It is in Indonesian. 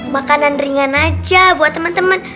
makanan ringan aja buat temen temen